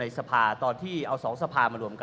ในสภาพฯตอนที่เอาสองสภาพฯมารวมกัน